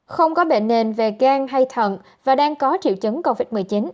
không có bệnh nền về gan hay thận và đang có triệu chứng covid một mươi chín